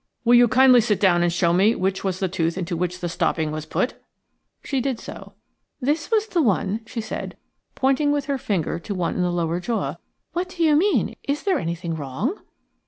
"Will you kindly sit down and show me which was the tooth into which the stopping was put?" She did so. "This was the one," she said, pointing with her finger to one in the lower jaw. "What do you mean? Is there anything wrong?"